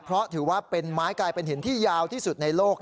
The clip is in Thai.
เพราะถือว่าเป็นไม้กลายเป็นหินที่ยาวที่สุดในโลก